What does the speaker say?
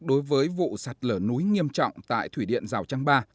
đối với vụ sạt lở núi nghiêm trọng tại thủy điện rào trang ba